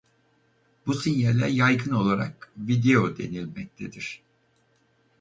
Bu sinyale yaygın olarak video denilmektedir.